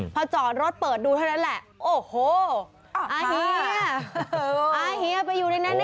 พอจอดรถเปิดดูเท่านั้นแหละโอ้โหอาเฮียอาเฮียไปอยู่ในนั้น